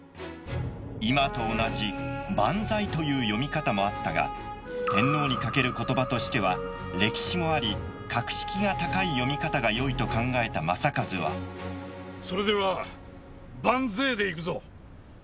今と同じ「バンザイ」という読み方もあったが天皇にかけることばとしては歴史もあり格式が高い読み方がよいと考えた正一はそれでは「バンゼイ」でいくぞ。